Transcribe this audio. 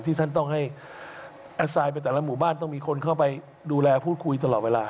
ท่านต้องให้แอดไซด์ไปแต่ละหมู่บ้านต้องมีคนเข้าไปดูแลพูดคุยตลอดเวลา